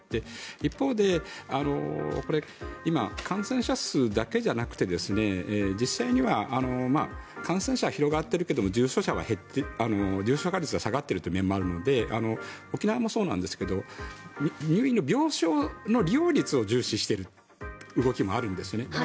一方で今感染者数だけじゃなくて実際には感染者は広がっているけれども重症化率は下がっているという面もあるので沖縄もそうなんですが入院の病床の利用率を重視している動きもあるんですね。